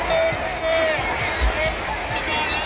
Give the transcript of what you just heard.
มาแล้วครับพี่น้อง